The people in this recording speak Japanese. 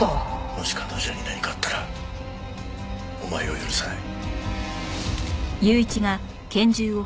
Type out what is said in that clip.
もし彼女に何かあったらお前を許さない。